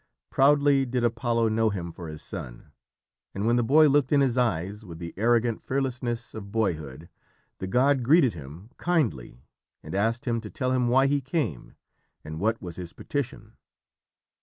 Proudly did Apollo know him for his son, and when the boy looked in his eyes with the arrogant fearlessness of boyhood, the god greeted him kindly and asked him to tell him why he came, and what was his petition.